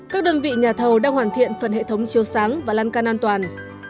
các đơn vị nhà thầu đang hoàn thiện phần hệ thống chiêu sáng và lăn can an toàn